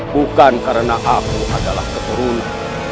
bukan karena aku adalah keturun